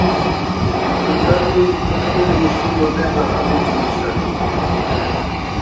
Гурдали уркьули шурла бехӀла кабирхьули саби.